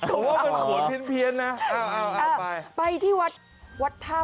ผมว่าเป็นผลเพี้ยนเพี้ยนน่ะเอาเอาเอาไปไปที่วัดวัดท่า